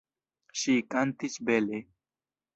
Ŝi kantis bele.